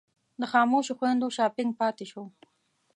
د خاموشو خویندو شاپنګ پاتې شو.